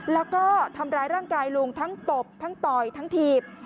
แล้วก็ทำร้ายร่างกายลุงทั้งตบทั้งต่อยทั้งถีบ